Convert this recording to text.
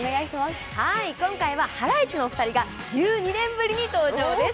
今回はハライチのお二人が１２年ぶりに登場です。